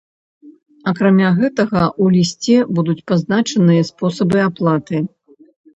Акрамя гэтага, у лісце будуць пазначаныя спосабы аплаты.